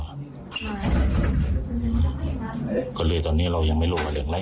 ก็เลยตอนนี้เรายังไม่รู้ว่าเรื่องอะไร